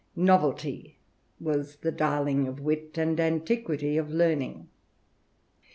Novelty was the darling of Wit, and antiquity of Learning.